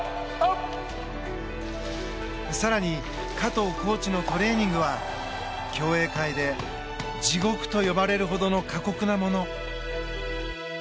更に、加藤コーチのトレーニングは競泳界で、地獄と呼ばれるほどの過酷なもの。